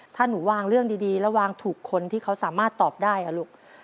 ถ้าหนูวางเรื่องดีแล้ววางถูกคนที่เขาสามารถตอบได้อ่ะลูก